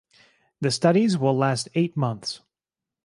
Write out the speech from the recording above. The studies will last eight months.